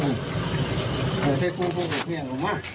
แล้วใส่ปุปุ่มเข้าเพลงเข้ามา